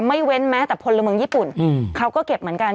เว้นแม้แต่พลเมืองญี่ปุ่นเขาก็เก็บเหมือนกัน